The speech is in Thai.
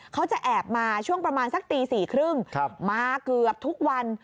เขาจะแอบมาช่วงประมาณสักตี๔๓๐มาเกือบทุกวัน